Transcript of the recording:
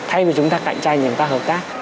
thay vì chúng ta cạnh tranh thì chúng ta hợp tác